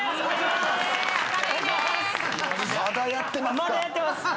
まだやってますか？